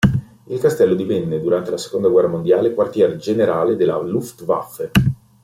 Il castello divenne, durante la seconda guerra mondiale, quartier generale della Luftwaffe.